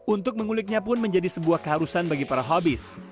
untuk menguliknya pun menjadi sebuah keharusan bagi para hobis